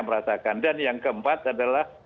merasakan dan yang keempat adalah